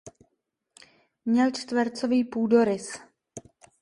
Měl čtvercový půdorys.